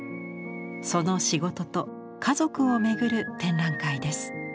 その仕事と家族をめぐる展覧会です。